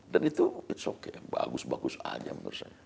dan itu it's okay bagus bagus saja menurut saya